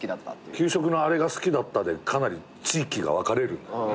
給食のあれが好きだったでかなり地域が分かれるんだよ。